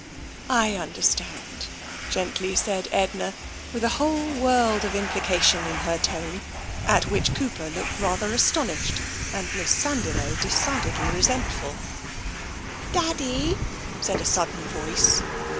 " I understand," gently said Edna, with a whole world of implication in her tone, at which Cooper looked rather astonished, and Miss Sandiloe decidedly resentful. TENSION 41 " Daddy !" said a sudden voice.